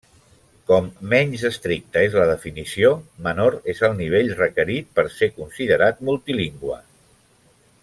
Com menys estricta és la definició, menor és el nivell requerit per ser considerat multilingüe.